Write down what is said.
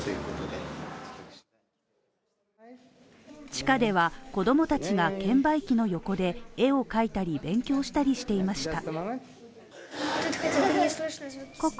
地下では子供たちが券売機の横で絵を描いたり勉強したりしていました。